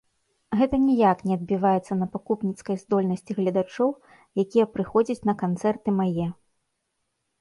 Гэта ніяк не адбіваецца на пакупніцкай здольнасці гледачоў, якія прыходзяць на канцэрты мае.